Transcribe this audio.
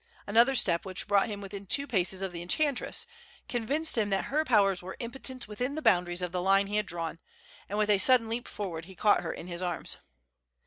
Another step, which brought him within two paces of the enchantress, convinced him that her powers were impotent within the boundaries of the line he had drawn, and with a sudden leap forward he caught her in his arms.